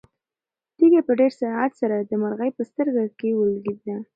تیږه په ډېر سرعت سره د مرغۍ په سترګه ولګېده.